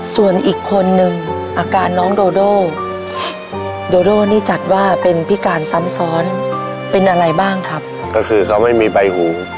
ส่วนอีกคนนึงอาการน้องโดโดโดโดนี่จัดว่าเป็นพิการซ้ำซ้อนเป็นอะไรบ้างครับก็คือเขาไม่มีใบหู